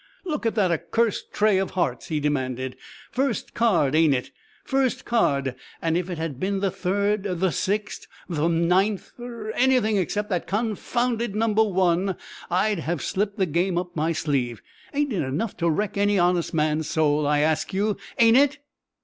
"Look at that accursed trey of hearts!" he demanded. "First card, ain't it? First card! an' if it had been the third, 'r the sixth, 'r the ninth, 'r anything except that confounded Number One, I'd have slipped the game up my sleeve. Ain't it enough to wreck any honest man's soul? I ask you ain't it?"